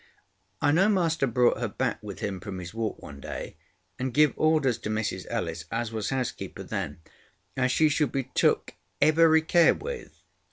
I know master brought her back with him from his walk one day, and give orders to Mrs Ellis, as was housekeeper then, as she should be took every care with.